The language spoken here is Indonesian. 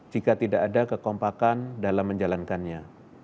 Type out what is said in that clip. jika tidak ada kekompakan dalam menjalankannya